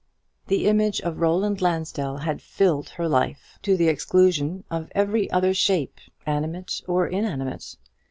The image of Roland Lansdell had filled her life, to the exclusion of every other shape, animate or inanimate.